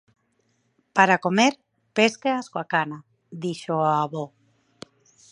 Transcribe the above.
_Para comer, pésqueas coa cana _dixo o avó.